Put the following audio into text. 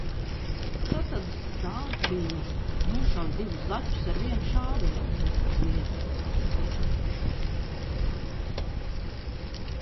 "Tātad tā bija "nošauj divus zaķus ar vienu šāvienu" lieta?"